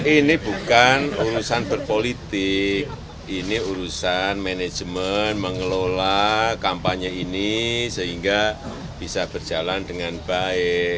ini bukan urusan berpolitik ini urusan manajemen mengelola kampanye ini sehingga bisa berjalan dengan baik